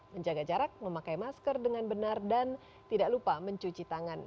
menjaga jarak memakai masker dengan benar dan tidak lupa mencuci tangan